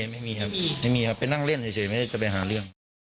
ไม่มีครับไม่มีครับไปนั่งเล่นเฉยไม่ได้จะไปหาเรื่อง